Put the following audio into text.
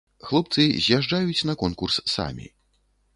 Хлопцы з'язджаюць на конкурс самі.